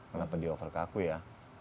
kenapa dia offer ke aku ya